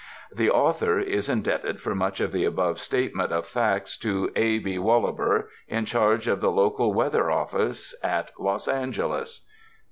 The author is indebted for much of the above statement of facts to A. B. WoUaber, in charge of the Local Weather Office at Los Angeles.